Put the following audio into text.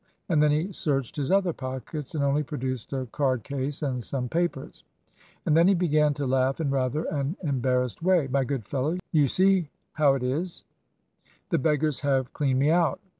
And then he searched his other pockets, and only produced a card case and some papers; and then he began to laugh in rather an embarrassed way. 'My good fellow, you see how it is; the beggars have cleaned me out.